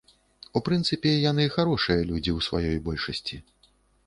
У прынцыпе, яны харошыя людзі ў сваёй большасці.